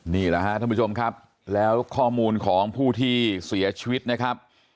นี่แหละฮะท่านผู้ชมครับแล้วข้อมูลของผู้ที่เสียชีวิตนะครับ